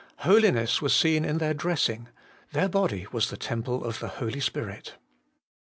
Holiness was seen In their dress ing ; their body was the temple of the Holy Spirit. 3.